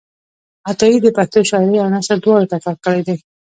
عطایي د پښتو شاعرۍ او نثر دواړو ته کار کړی دی.